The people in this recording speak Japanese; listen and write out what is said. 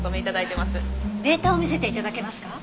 データを見せて頂けますか？